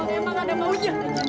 bapak emang gak ada maunya